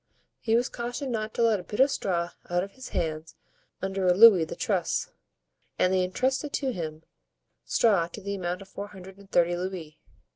He was cautioned not to let a bit of straw out of his hands under a louis the truss, and they intrusted to him straw to the amount of four hundred and thirty louis.